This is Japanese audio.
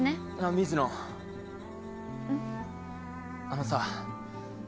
あのさ